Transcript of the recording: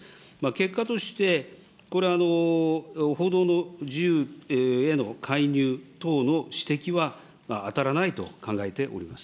結果として、報道の自由への介入等の指摘は当たらないと考えております。